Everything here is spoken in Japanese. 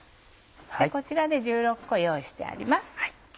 こちらで１６個用意してあります。